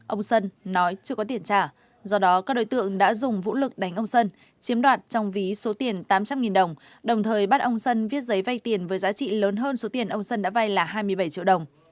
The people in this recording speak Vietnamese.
ông sơn nói chưa có tiền trả do đó các đối tượng đã dùng vũ lực đánh ông sơn chiếm đoạt trong ví số tiền tám trăm linh đồng đồng thời bắt ông dân viết giấy vay tiền với giá trị lớn hơn số tiền ông sơn đã vay là hai mươi bảy triệu đồng